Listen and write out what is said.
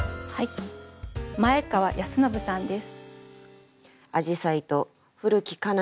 前川泰信さんです。